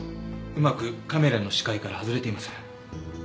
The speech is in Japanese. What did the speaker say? うまくカメラの視界から外れています。